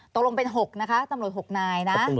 ตกลงเป็น๖นะคะตำรวจ๖นายนะ